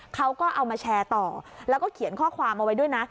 เขาก็เอามาแชร์ต่อแล้วก็เขียนข้อความเอาไว้ด้วยนะ